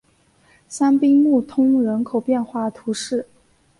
香槟穆通人口变化图示